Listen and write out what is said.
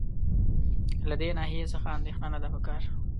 له دې ناحیې څخه اندېښنه نه ده په کار.